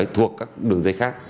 thuộc các đường dây khác